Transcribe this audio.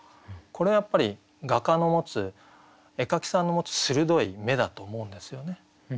これはやっぱり画家の持つ絵描きさんの持つ鋭い目だと思うんですよね。